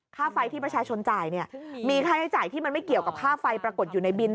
ค่าไฟที่ประชาชนจ่ายเนี่ยมีค่าใช้จ่ายที่มันไม่เกี่ยวกับค่าไฟปรากฏอยู่ในบิน